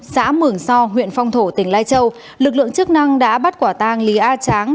xã mường so huyện phong thổ tỉnh lai châu lực lượng chức năng đã bắt quả tang lý a tráng